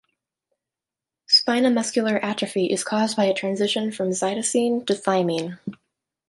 Spina muscular atrophy is caused by a transition from cytosine to thymine.